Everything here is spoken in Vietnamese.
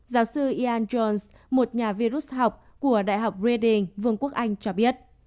giáo sư ian jones một nhà virus học của đại học reading vương quốc anh cho biết